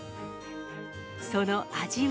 その味は。